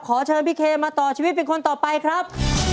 ขอเชิญพี่เคมาต่อชีวิตเป็นคนต่อไปครับ